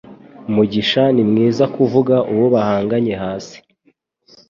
Mugisha ni mwiza kuvuga uwo bahanganye hasi